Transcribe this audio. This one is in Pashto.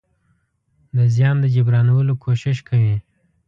د زيان د جبرانولو کوشش کوي.